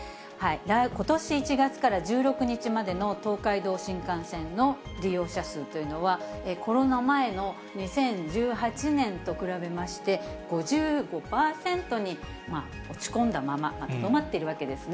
ことし１月から１６日までの東海道新幹線の利用者数というのは、コロナ前の２０１８年と比べまして、５５％に落ち込んだまま、とどまっているわけですね。